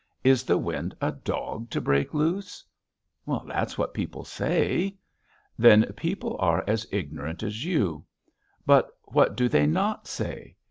Is the wind a dog to break loose?" "That's what people say." "Then people are as ignorant as you.... But what do they not say?